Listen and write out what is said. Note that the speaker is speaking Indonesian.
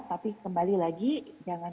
tapi kembali lagi jangan